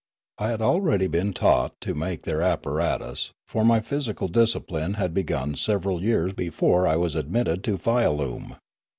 I had already been taught to make their apparatus, for my physical discipline had begun several years before I was ad mitted to Fialume.